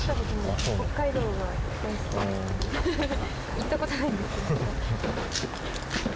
行ったことないんですけど。